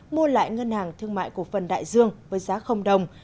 mua lại ngân hàng thương mại cổ phần đại dương với giá đồng